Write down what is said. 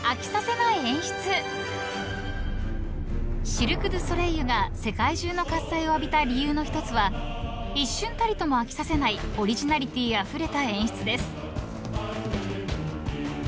［シルク・ドゥ・ソレイユが世界中の喝采を浴びた理由の一つは一瞬たりとも飽きさせないオリジナリティーあふれた演出です］